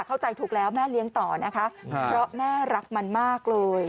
เข้าใจถูกแล้วแม่เลี้ยงต่อนะคะเพราะแม่รักมันมากเลย